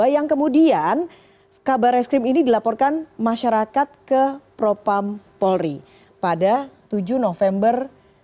dua ribu dua puluh dua yang kemudian kabar reskrim ini dilaporkan masyarakat ke propam polri pada tujuh november dua ribu dua puluh dua